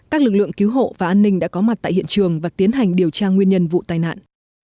các lực lượng cứu hộ và an ninh đã có mặt tại hiện trường và tiến hành điều tra nguyên nhân vụ tai nạn